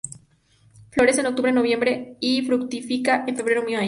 Florece en octubre-noviembre y fructifica en febrero-mayo.